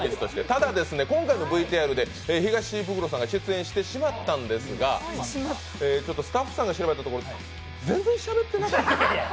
ただ今回のＶＴＲで東ブクロさんが出演してしまったんですがスタッフが調べたところ全然しゃべってなかった。